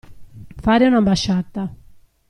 Fare un'ambasciata.